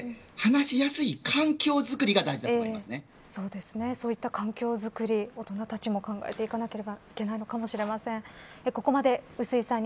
そういった環境作り大人たちも考えていかなければいけないのかもしれません。